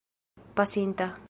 pasinta